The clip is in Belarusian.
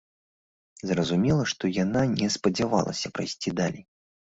Зразумела, што яна не спадзявалася прайсці далей.